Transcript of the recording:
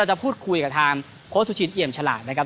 จะพูดคุยกับทางโค้ชสุชินเอี่ยมฉลาดนะครับ